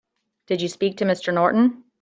Did you speak to Mr. Norton?